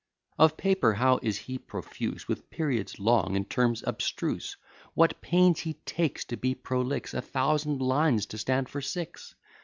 Of paper how is he profuse, With periods long, in terms abstruse! What pains he takes to be prolix! A thousand lines to stand for six!